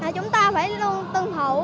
chúng ta phải luôn tân thủ